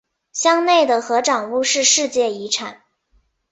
乡内的合掌屋是世界遗产。